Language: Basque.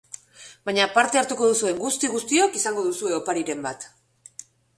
Baina parte hartuko duzuen guzti guztiok izango duzue opariren bat.